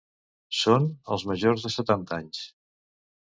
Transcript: Són els majors de setanta anys.